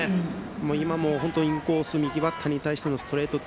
今もインコース、右バッターに対してのストレート。